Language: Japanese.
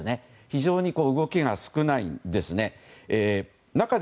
非常に動きが少ないんですね。